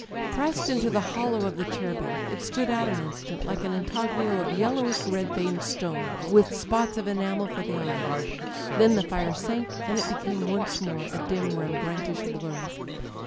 Pressed into the hollow of the chair back, it stood out an instant like an intaglio of yellowish red veined stone, with spots of enamel for the eyes; then [267 1 Digitized by LjOOQ IC THE EYES ihe fire sank and it became once more a dim Rem brandtish blur.